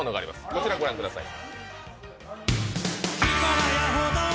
こちらをご覧ください。